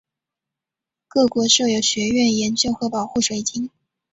各国设有学院研究和保护水晶。